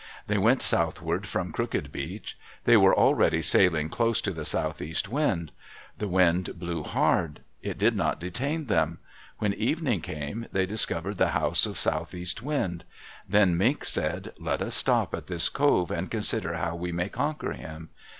They went southward from Crooked Beach. They were already sailing close to the southeast wind. The wind blew hard. It did not detain them. When evening came, they discovered the house of Southeast Wind. Then Mink said, "Let us stop at this cove and consider how we may conquer him."